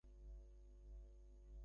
ধ্বংস হয়ে গেছে।